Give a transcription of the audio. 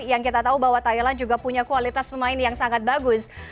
yang kita tahu bahwa thailand juga punya kualitas pemain yang sangat bagus